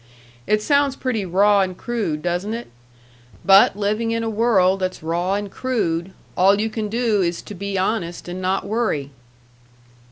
It sounds pretty raw and crude, doesn't it? But living in a world that's raw and crude, all you can do is to be honest and not worry."